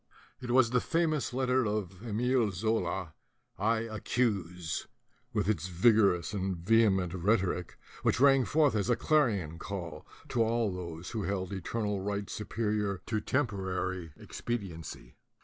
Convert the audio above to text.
It was the famous letter of Emile Zola, "I accuse," with its vigor ous and vehement rhetoric, which rang forth as a clarion call to all those who held eternal right superior to temporary expediency.